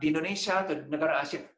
di indonesia atau negara asing